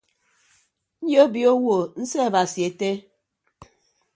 Nyobio owo nseabasi ette.